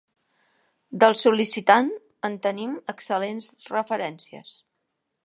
Del sol·licitant, en tenim excel·lents referències.